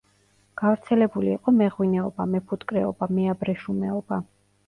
გავრცელებული იყო მეღვინეობა, მეფუტკრეობა, მეაბრეშუმეობა.